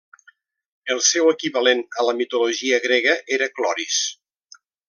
El seu equivalent a la mitologia grega era Cloris.